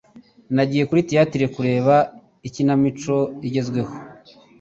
Nagiye kuri theatre kureba ikinamico igezweho.